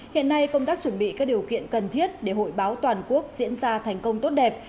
hiện nay công tác chuẩn bị các điều kiện cần thiết để hội báo toàn quốc diễn ra thành công tốt đẹp